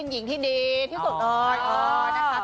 ศิลปินหญิงที่ดีที่สุด